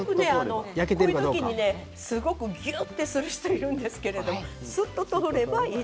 この時にぎゅっとする人がいるんですけれどすっと通ればいい。